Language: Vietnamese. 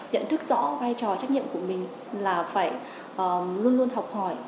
nhận thức rõ vai trò trách nhiệm của mình là phải luôn luôn học hỏi